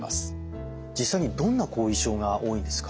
実際にどんな後遺症が多いんですか？